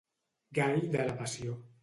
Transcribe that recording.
Gall de la passió.